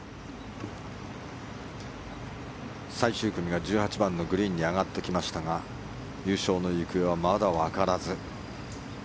最終組が１８番のグリーンに上がってきましたが優勝の行方はまだわからず。